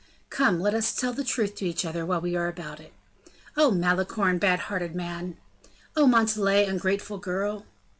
"Come, let us tell the truth to each other, while we are about it." "Oh, Malicorne! Bad hearted man!" "Oh, Montalais! Ungrateful girl!"